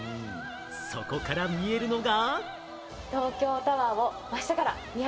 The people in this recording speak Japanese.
そこから見えるのが。